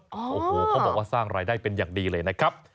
โอ้โหเขาบอกว่าสร้างรายได้เป็นอย่างดีเลยนะครับ